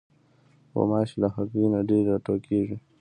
غوماشې له هګیو نه ډېرې راټوکېږي.